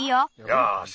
よし。